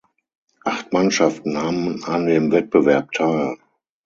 Acht Mannschaften nahmen an dem Wettbewerb teil.